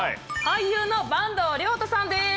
俳優の坂東龍汰さんです。